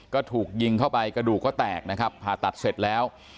ก็ถูกยิงเข้าไปกระดูกก็แตกนะครับผ่าตัดเสร็จแล้ว